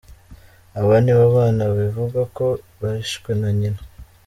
Aba nibo bana bivugwa ko bishwe na nyina.